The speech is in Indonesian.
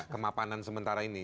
kemapanan sementara ini